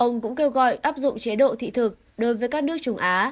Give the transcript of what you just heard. ông cũng kêu gọi áp dụng chế độ thị thực đối với các nước trung á